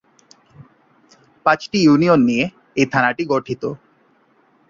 পাঁচটি ইউনিয়ন নিয়ে এই থানাটি গঠিত।